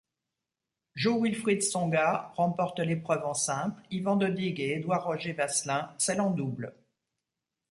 Jo-Wilfried Tsonga remporte l'épreuve en simple, Ivan Dodig et Édouard Roger-Vasselin celle en double.